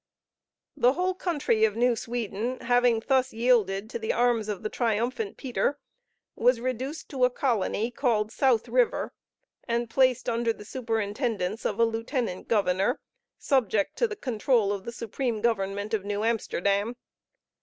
The whole country of New Sweden having thus yielded to the arms of the triumphant Peter, was reduced to a colony called South River, and placed under the superintendence of a lieutenant governor, subject to the control of the supreme government of New Amsterdam.